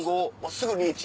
すぐリーチ？